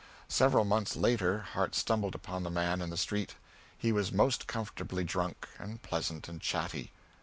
Several months later Harte stumbled upon the man in the street. He was most comfortably drunk, and pleasant and chatty.